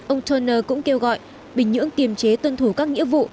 ông tonner cũng kêu gọi bình nhưỡng kiềm chế tuân thủ các nghĩa vụ